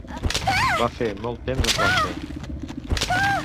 Va fer molt temps a França.